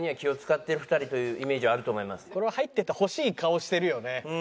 これは入っててほしい顔してるよね。